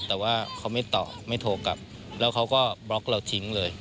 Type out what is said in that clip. แต่ว่าเขาไม่ตอบไม่โทรกลับแล้วเขาก็บล็อกเราทิ้งเลย